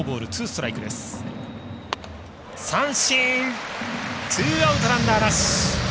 三振、ツーアウトランナーなし。